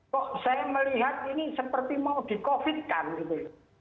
kok saya melihat ini seperti mau di covid kan gitu